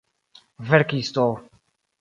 verkisto